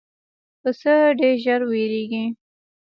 پسه ډېر ژر وېرېږي.